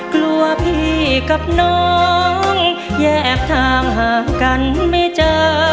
กลัวพี่กับน้องแยกทางห่างกันไม่เจอ